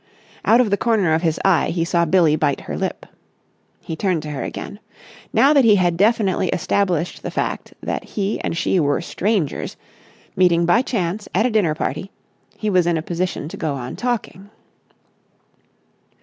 Out of the corner of his eye he saw Billie bite her lip. He turned to her again. Now that he had definitely established the fact that he and she were strangers, meeting by chance at a dinner party, he was in a position to go on talking.